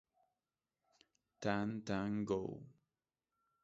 Tam Tam Go!